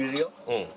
うん。